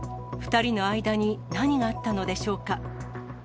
２人の間に何があったのでしょうか。